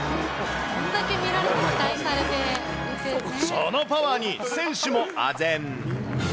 そのパワーに選手もあぜん。